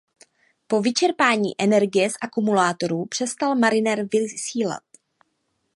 Po vyčerpání energie z akumulátorů přestal Mariner vysílat.